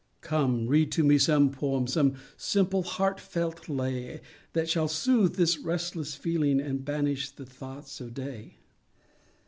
Come, read to me some poem, Some simple and heartfelt lay, That shall soothe this restless feeling, And banish the thoughts of day.